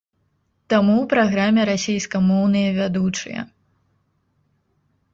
Таму ў праграме расейскамоўныя вядучыя.